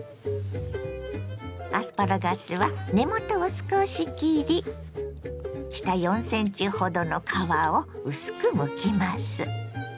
アスパラガスは根元を少し切り下４ｃｍほどの皮を薄くむきます。